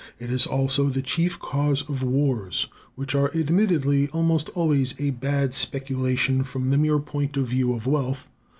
It is also the chief cause of wars, which are admittedly almost always a bad speculation from the mere point of view of wealth.